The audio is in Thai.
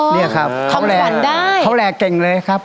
อ๋อเหรอทำฝันได้เขาแลเก่งเลยครับ